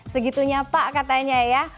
segitunya pak katanya ya